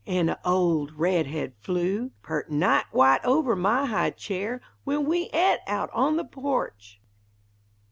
An' a' old red head flew Purt' nigh wite over my high chair, When we et on the porch!